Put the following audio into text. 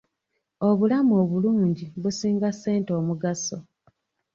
Obulamu obulungi businga ssente omugaso.